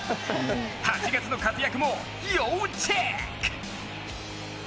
８月の活躍も要チェック！